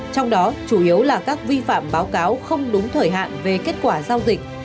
trong đó chủ yếu là các vi phạm báo cáo không đúng thời hạn về kết quả giao dịch